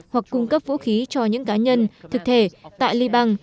hoặc cung cấp vũ khí cho những cá nhân thực thể tại liban